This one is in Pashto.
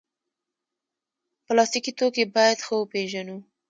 پلاستيکي توکي باید ښه وپیژنو.